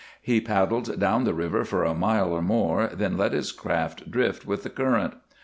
He paddled down the river for a mile or more, then let his craft drift with the current.